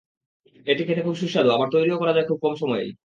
এটি খেতে খুব সুস্বাদু, আবার তৈরিও করা যায় খুব কম সময়েই।